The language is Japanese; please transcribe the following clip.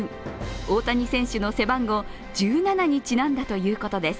大谷選手の背番号１７にちなんだということです。